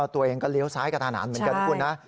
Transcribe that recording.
ตัวเองก็เลี้ยวซ้ายกระทันหันเหมือนกันนะคุณนะ